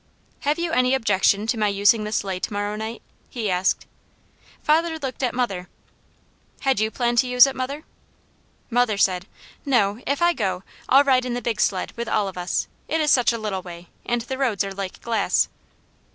"Have you any objection to my using the sleigh to morrow night?" he asked. Father looked at mother. "Had you planned to use it, mother?" Mother said: "No. If I go, I'll ride in the big sled with all of us. It is such a little way, and the roads are like glass."